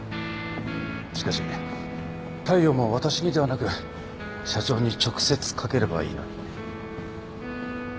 しかし大陽も私にではなく社長に直接かければいいのに。